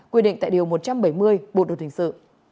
quyết định tại điều một trăm bảy mươi bộ đồng thành sự